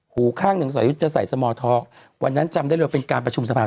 หูข้างหนึ่งสอยุทธ์จะใส่สมอท็อกวันนั้นจำได้เลยว่าเป็นการประชุมสภา